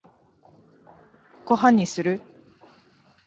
ご飯にする？